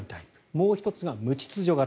もう１つが無秩序型。